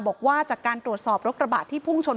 บอกว่าจากการตรวจสอบรถกระบะที่พุ่งชน